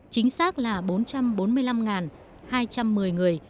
chính xác là bốn trăm bốn mươi năm hai trăm một mươi người